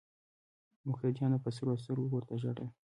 مقتدیانو په سرو سترګو ورته ژړل.